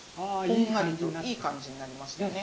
こんがりといい感じになりましたね。